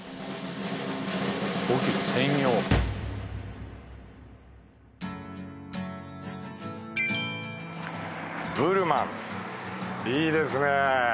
コーヒー専用葡瑠満いいですね